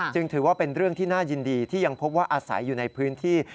ถือว่าเป็นเรื่องที่น่ายินดีที่ยังพบว่าอาศัยอยู่ในพื้นที่